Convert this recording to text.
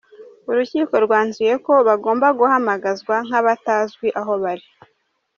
Urukiko rwanzuye ko bagomba guhamagazwa nk’abatazwi aho bari.